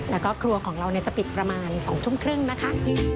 แล้วก็ครัวของเราจะปิดประมาณ๒ทุ่มครึ่งนะคะ